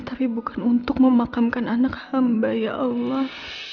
tapi bukan untuk memakamkan anak hamba ya allah